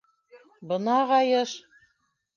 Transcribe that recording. Бынағайыш...